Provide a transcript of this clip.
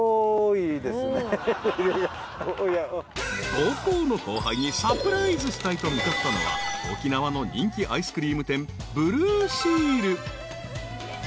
［母校の後輩にサプライズしたいと向かったのは沖縄の人気アイスクリーム店］